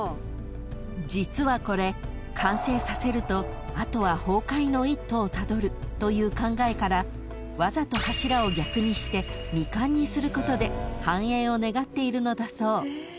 ［実はこれ完成させると後は崩壊の一途をたどるという考えからわざと柱を逆にして未完にすることで繁栄を願っているのだそう］